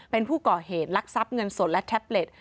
เป็นผู้ก่อเหตุลักษัพเงินสดและแท็บเล็ต